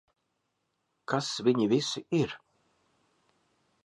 Kas viņi visi ir?